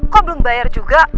kok belum bayar juga